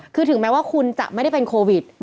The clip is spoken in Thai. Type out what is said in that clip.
คือถึงแม้ว่าคุณจะไม่ได้เป็นโควิด